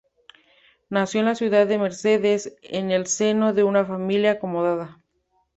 Nació en la ciudad de Mercedes, en el seno de una familia acomodada.